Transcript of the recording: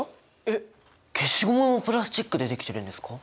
えっ消しゴムもプラスチックでできてるんですか？